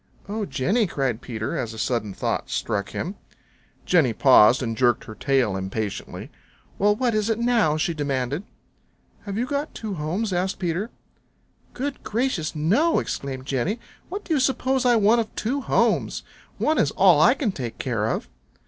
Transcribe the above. "Oh, Jenny," cried Peter, as a sudden thought struck him. Jenny paused and jerked her tail impatiently. "Well, what is it now?" she demanded. "Have you got two homes?" asked Peter. "Goodness gracious, no!" exclaimed Jenny. "What do you suppose I want of two homes? One is all I can take care of."